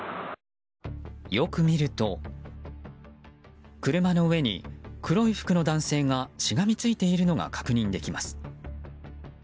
よく見ると車の上に黒い服の男性がしがみついているのが確認できます。